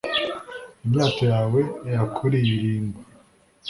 imyato yawe irakuririmba